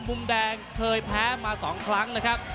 มุมแดงเคยแพ้มา๒ครั้งนะครับ